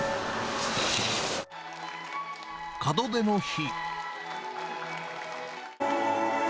門出の日。